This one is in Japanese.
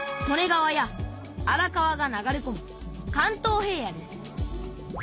利根川や荒川が流れこむ関東平野です